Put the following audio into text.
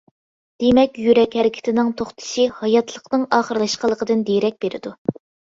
دېمەك، يۈرەك ھەرىكىتىنىڭ توختىشى ھاياتلىقنىڭ ئاخىرلاشقانلىقىدىن دېرەك بېرىدۇ.